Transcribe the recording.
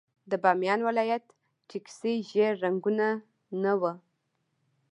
د بامیان ولايت ټکسي ژېړ رنګونه نه وو.